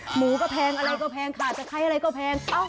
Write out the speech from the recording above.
หมูก็แพงอะไรก็แพงบาทเเขาวุด